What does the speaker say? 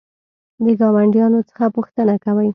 د ګاونډیانو څخه پوښتنه کوئ؟